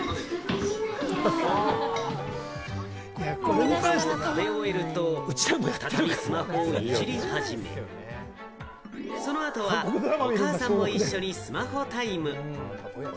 ご飯を食べ終えると、再びスマホをいじり始め、その後はお母さんも一緒にスマホタイム。